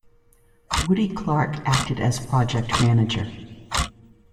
Woody Clark acted as Project Manager.